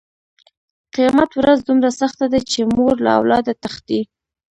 قیامت ورځ دومره سخته ده چې مور له اولاده تښتي.